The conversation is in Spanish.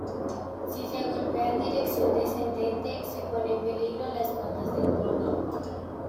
Si se golpea en dirección descendente, se pone en peligro las patas del poni.